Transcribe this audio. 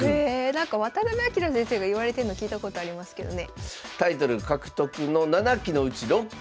なんか渡辺明先生がいわれてんの聞いたことありますけどね。